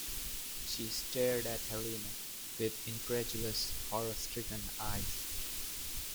She stared at Helene with incredulous, horror-stricken eyes.